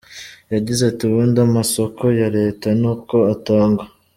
Yagize ati “Ubundi amasoko ya Leta ni ko atangwa.